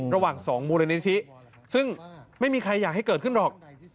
ระหว่าง๒มูลนิธิซึ่งไม่มีใครอยากให้เกิดขึ้นหรอก